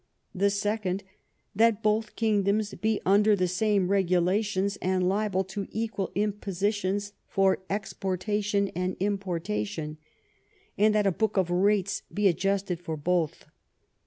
The second, "That both kingdoms be under the same regulations, and liable to equal impositions for exportation and importation, and that a book of rates be adjusted for both."